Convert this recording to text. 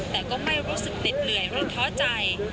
แต่ก็ไม่รู้สึกเหน็ดเหนื่อยหรือท้อใจ